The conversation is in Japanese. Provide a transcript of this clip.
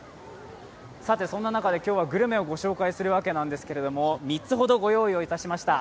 さて、そんな中で今日はグルメをご紹介するわけなんですが、３つほどご用意いたしました。